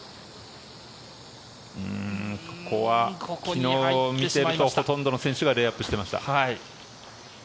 ここは昨日見ているとほとんどの選手がレイアップしてました。